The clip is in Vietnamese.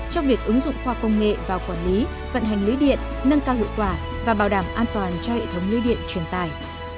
trong việc ứng dụng khoa công nghệ vào quản lý vận hành lưới điện nâng cao hiệu quả và bảo đảm an toàn cho hệ thống lưới điện truyền tài